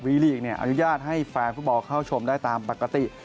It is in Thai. ลีลีกอนุญาตให้แฟนฟุตบอลเข้าชมได้ตามปกติ